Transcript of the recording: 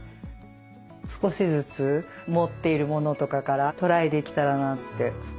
少しずつ持っているものとかからトライできたらなって。